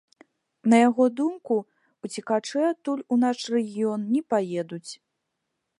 На яго думку, уцекачы адтуль у наш рэгіён не паедуць.